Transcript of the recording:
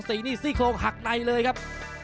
สีนี่ซู่ของหักในเลยครับ